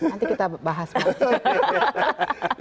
nanti kita bahas pak